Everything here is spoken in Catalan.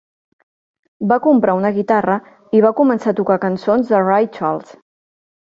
Va comprar una guitarra i va començar a tocar cançons de Ray Charles.